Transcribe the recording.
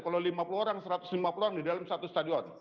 kalau lima puluh orang satu ratus lima puluh orang di dalam satu stadion